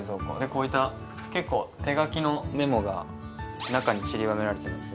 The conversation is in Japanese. こういった結構手書きのメモが中にちりばめられてます